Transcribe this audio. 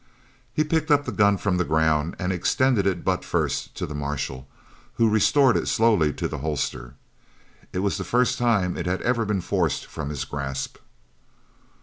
He picked up the gun from the ground and extended it butt first to the marshal, who restored it slowly to the holster. It was the first time it had ever been forced from his grasp.